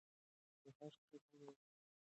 غږ کښته، لوړ، نرم یا کلک وي.